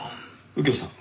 右京さん